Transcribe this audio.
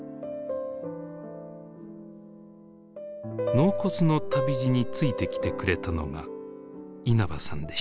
納骨の旅路についてきてくれたのが稲葉さんでした。